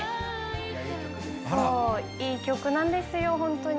いい曲なんですよ、本当に。